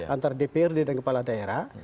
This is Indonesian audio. antar dprd dan kepala daerah